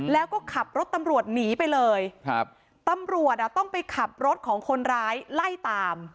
แล้วก็ขับรถตำรวจหนีไปเลยครับตำรวจอ่ะต้องไปขับรถของคนร้ายไล่ตาม